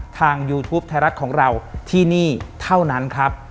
ยูทูปไทยรัฐของเราที่นี่เท่านั้นครับ